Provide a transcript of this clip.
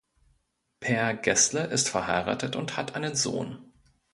Per Gessle ist verheiratet und hat einen Sohn.